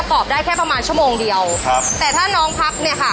ตอบได้แค่ประมาณชั่วโมงเดียวครับแต่ถ้าน้องพักเนี่ยค่ะ